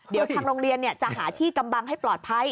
เดี๋ยวทางโรงเรียนจะหาที่กำบังให้ปลอดภัย